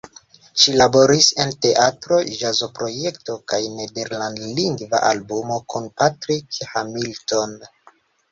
Ŝi laboris en teatro-ĵazoprojekto kaj nederlandlingva albumo kun Patrick Hamilton.